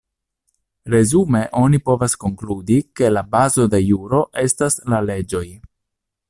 Resume oni povas konkludi ke la bazo de juro estas la leĝoj.